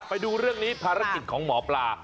ไปดูเรื่องนี้ภารกิจของหมอปลา